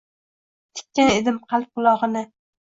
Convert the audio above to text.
Tikkan edim qalb qulog’ini